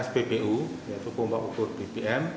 spbu yaitu pompa ukur bbm